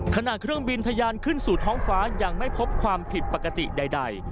ขณะเครื่องบินทะยานขึ้นสู่ท้องฟ้ายังไม่พบความผิดปกติใด